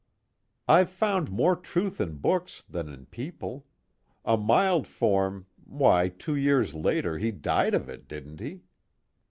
"I've found more truth in books than in people. A mild form why, two years later he died of it, didn't he?"